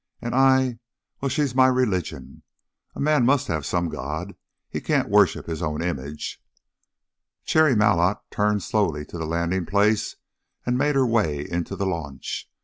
And I well, she is my religion. A man must have some God; he can't worship his own image." Cherry Malotte turned slowly to the landing place and made her way into the launch.